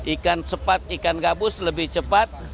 ikan cepat ikan gabus lebih cepat